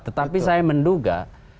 tetapi saya menduga